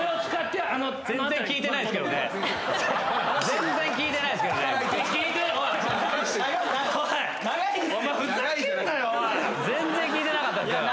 全然聞いてなかったです。